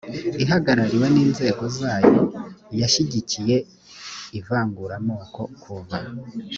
ihagarariwe n inzego zayo yashyigikiye ivanguramoko kuva